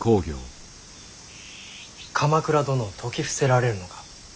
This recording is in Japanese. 鎌倉殿を説き伏せられるのか。